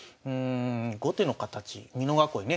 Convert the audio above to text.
後手の形美濃囲いね